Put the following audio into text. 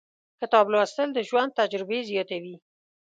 • کتاب لوستل، د ژوند تجربې زیاتوي.